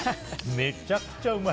めちゃくちゃうまい。